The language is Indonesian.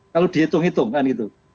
kalau dihitung hitung kan gitu